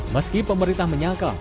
meski pemerintah menyangka